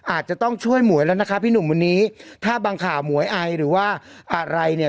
อาจจะต้องช่วยหมวยแล้วนะคะพี่หนุ่มวันนี้ถ้าบางข่าวหมวยไอหรือว่าอะไรเนี่ย